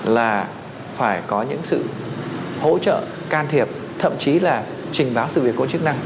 là phải có những sự hỗ trợ can thiệp thậm chí là trình báo sự việc có chức năng